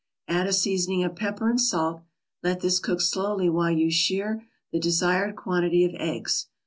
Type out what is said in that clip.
Add a seasoning of pepper and salt. Let this cook slowly while you shir the desired quantity of eggs.